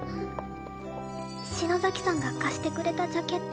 篠崎さんが貸してくれたジャケット